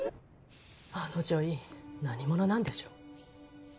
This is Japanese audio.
あの女医何者なんでしょう？